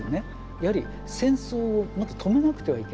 やはり戦争をもっと止めなくてはいけない。